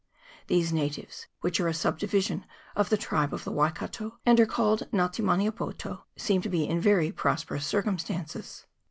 These natives, which are a subdivision of the tribe of the Waikato, and are called Nga te Meniopoto, seem to be in very prosperous circumstances.